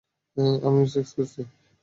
আমিও সেক্স করেছি।